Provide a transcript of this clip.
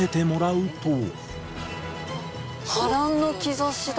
波乱の兆しだ。